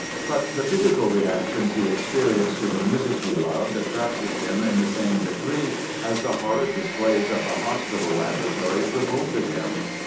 But the physical reactions he experienced to the music he loved attracted him in the same degree as the horrid displays of the hospital laboratories revolted him.